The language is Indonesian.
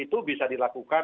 itu bisa dilakukan